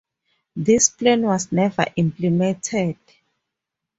This plan was never implemented.